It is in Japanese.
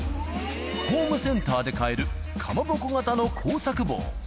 ホームセンターで買えるかまぼこ型の工作棒。